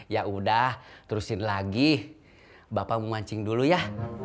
ya udah terusin lagi bapak memancing dulu ya